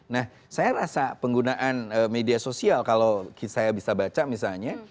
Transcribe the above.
nah saya rasa penggunaan media sosial kalau saya bisa baca misalnya